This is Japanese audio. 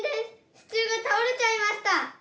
支柱が倒れちゃいました！